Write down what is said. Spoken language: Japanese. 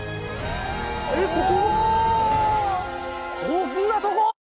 えっここ？